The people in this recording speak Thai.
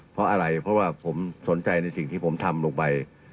เพราะอะไรเพราะว่าผมสนใจในสิ่งที่ผมทำลงไป